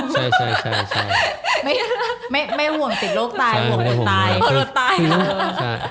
ใช่ใช่ใช่ไม่ไม่ไม่ห่วงติดโรคตายห่วงติดโรคตายห่วงติดโรคตาย